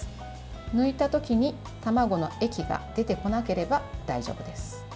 抜いた時に卵の液が出てこなければ大丈夫です。